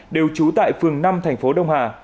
đều trú tại phường năm thành phố đông hà